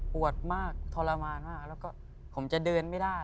ปวดมากทรมานมากแล้วก็ผมจะเดินไม่ได้